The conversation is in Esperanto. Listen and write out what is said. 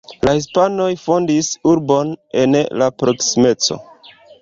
La hispanoj fondis urbon en la proksimeco.